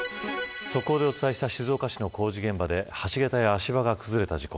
速報でお伝えした静岡市の工事現場で橋げたや足場が崩れた事故。